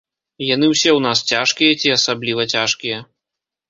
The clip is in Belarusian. Яны ўсе ў нас цяжкія ці асабліва цяжкія.